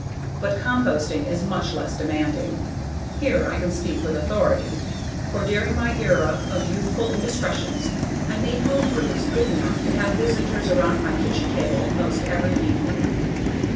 But composting is much less demanding. Here I can speak with authority, for during my era of youthful indiscretions I made homebrews good enough have visitors around my kitchen table most every evening.